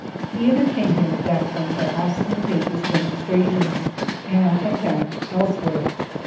He entertained him at that point by ostentatious demonstrations, and attacked elsewhere.